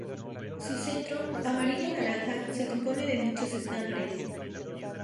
Su centro, amarillo naranja, se compone de muchos estambres.